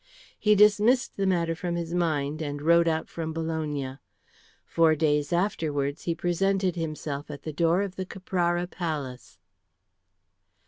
He dismissed the matter from his mind and rode out from Bologna. Four days afterwards he presented himself at the door of the Caprara Palace.